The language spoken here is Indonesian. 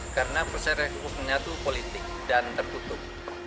karena proses rekrutmennya itu politik dan tertutup